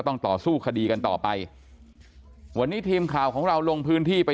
ต่อสู้คดีกันต่อไปวันนี้ทีมข่าวของเราลงพื้นที่ไป